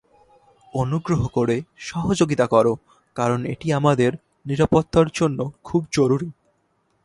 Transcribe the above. অনুগ্রহ করে সহযোগিতা কর, কারণ এটি আমাদের নিরাপত্তার জন্য খুব জরুরি।